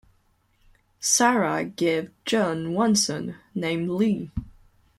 Sarah gave John one son, named Leigh.